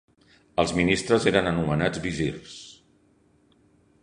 Els ministres eren anomenats visirs.